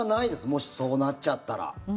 もし、そうなっちゃったら。